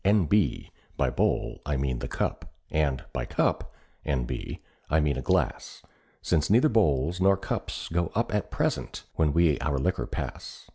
N.B.—By "bowl" I mean the "cup," And by "cup"—N.B.—I mean a glass, Since neither bowls nor cups go up At present when we our liquor pass.